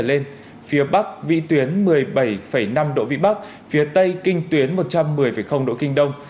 gió mạnh cấp tám trở lên phía bắc vị tuyến một mươi bảy năm độ vị bắc phía tây kinh tuyến một trăm một mươi độ kinh đông